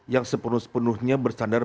yang sepenuh sepenuhnya bersandar